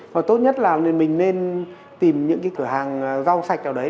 và tốt nhất là mình nên tìm những cái cửa hàng rau sạch nào đấy